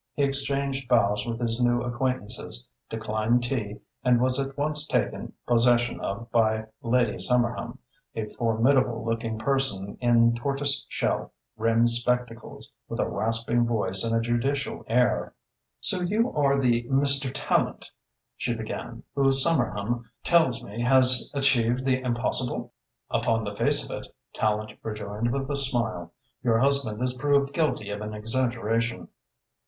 He exchanged bows with his new acquaintances, declined tea and was at once taken possession of by Lady Somerham, a formidable looking person in tortoise shell rimmed spectacles, with a rasping voice and a judicial air. "So you are the Mr. Tallente," she began, "who Somerham tells me has achieved the impossible!" "Upon the face of it," Tallente rejoined, with a smile, "your husband is proved guilty of an exaggeration."